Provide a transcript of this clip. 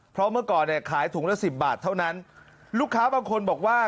เพราะเมื่อก่อนเนี่ยขายถุงละสิบบาทเท่านั้นลูกค้าบางคนบอกว่า